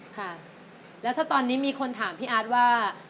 ค่ะแล้วถ้าตอนนี้มีคนถามพี่อาร์ตว่า